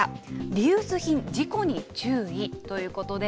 リユース品、事故に注意ということで。